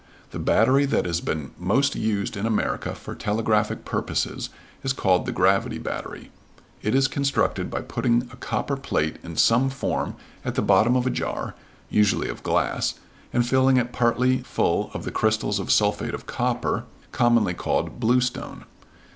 The battery that has been most used in America for telegraphic purposes is called the gravity battery. It is constructed by putting a copper plate in some form at the bottom of a jar, usually of glass, and filling it partly full of the crystals of sulphate of copper, commonly called "bluestone."